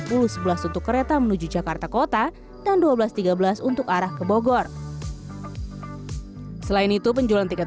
sepuluh sebelas untuk kereta menuju jakarta kota dan dua belas tiga belas untuk arah ke bogor selain itu penjualan tiket